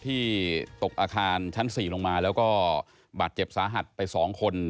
ที่ตกอาคารชั้น๔ลงมาแล้วก็บาดเจ็บสาหัสไป๒คน